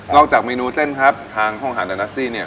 นอกจากเมนูเส้นครับทางห้องอาหารดัีนาสติอิเนี่ย